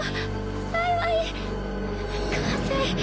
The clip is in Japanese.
幸い完成。